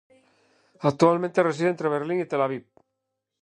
Actualmente reside entre Berlín y Tel Aviv.